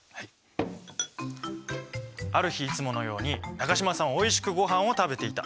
ある日いつものように中島さんはおいしくごはんを食べていた。